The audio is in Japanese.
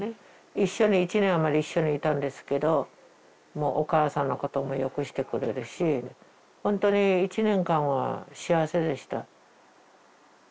一緒に１年余り一緒にいたんですけどもうお母さんのこともよくしてくれるし本当に１年間は幸せでした。